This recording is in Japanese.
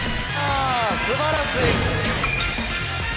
すばらしい。